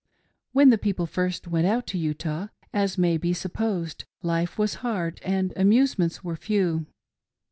When the people first went out to Utah, as may be supposed, life was hard and amusements were few.